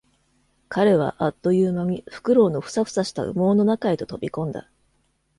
彼はあっという間にフクロウのふさふさした羽毛の中へと飛び込んだ。